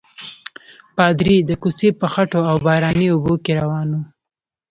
پادري د کوڅې په خټو او باراني اوبو کې روان وو.